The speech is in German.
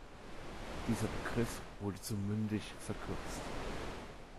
Dieser Begriff wurde zu "mündig" verkürzt.